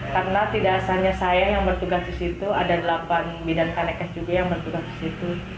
karena tidak hanya saya yang bertugas di situ ada delapan bidan kanekes juga yang bertugas di situ